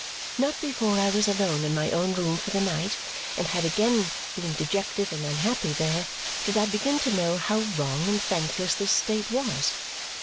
Not before I was alone in my own room for the night and had again been dejected and unhappy there did I begin to know how wrong and thankless this state was.